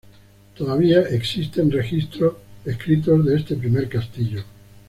Todavía existen registros escritos de este primer castillo.